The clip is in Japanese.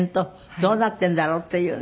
どうなっているんだろうっていうね